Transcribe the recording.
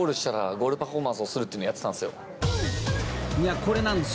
これなんですよ。